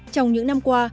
trong những năm qua